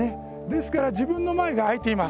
ですから自分の前が空いています。